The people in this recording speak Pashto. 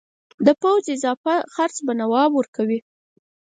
د پوځ اضافه خرڅ به نواب ورکوي.